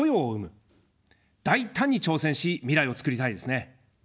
大胆に挑戦し、未来を作りたいですね。